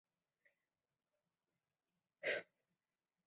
少花淫羊藿为小檗科淫羊藿属下的一个种。